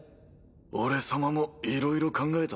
俺様もいろいろ考えたんだ。